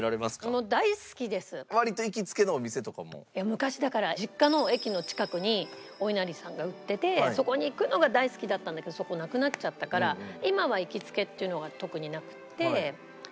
昔だから実家の駅の近くにおいなりさんが売っててそこに行くのが大好きだったんだけどそこなくなっちゃったから今は行きつけっていうのが特になくて手当たり次第。